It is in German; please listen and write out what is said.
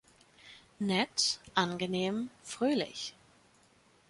Nett, angenehm, fröhlich.